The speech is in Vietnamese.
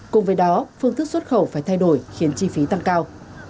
cùng với đó phương thức xuất khẩu phải thay đổi khiến chi phí tăng cao